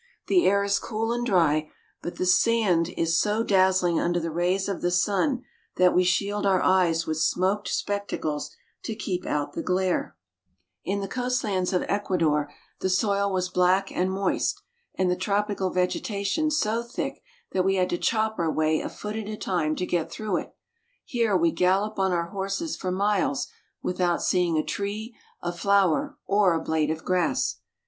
The air is cool and dry, but the sand js so dazzling under the rays of the sun that we shield our eyes with smoked spectacles to keep out the glare. GREAT DESERT. 51 In the coast lands of Ecuador the soil was black and moist, and the tropical vegetation so thick that we had to chop our way a foot at a time to get through it. Here we gallop on our horses for miles without seeing a tree, a flower, or a blade of grass.